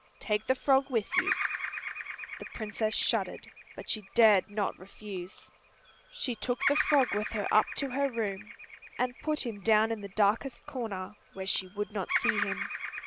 "Take the frog with you." The Princess shuddered, but she dared not refuse. She took the frog with her up to her room, and put him down in the darkest corner, where she would not see him.